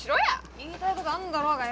言いたいことあんだろうがよ！